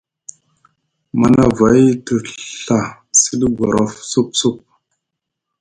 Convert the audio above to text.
Manavay te Ɵa siɗi gorof sup sup.